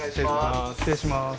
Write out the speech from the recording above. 失礼します